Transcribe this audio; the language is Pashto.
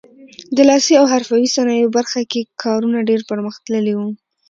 د لاسي او حرفوي صنایعو برخه کې کارونه ډېر پرمختللي وو.